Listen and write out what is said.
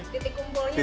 titik kumpulnya di sini